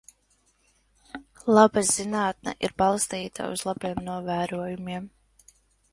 Laba zinātne ir balstīta uz labiem novērojumiem.